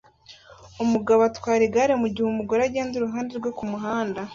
Umugabo utwara igare mugihe umugore agenda iruhande rwe kumuhanda